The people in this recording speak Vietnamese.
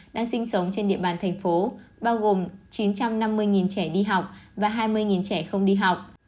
đang sinh sống trên địa bàn thành phố bao gồm chín trăm năm mươi trẻ đi học và hai mươi trẻ không đi học